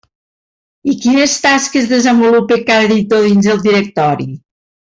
I quines tasques desenvolupa cada editor dins el directori?